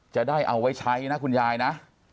จะได้เอาไว้ใช้นะคุณยายนะ